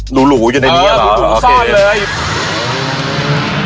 หรูหรูอยู่ในนี้อะหรอโอเค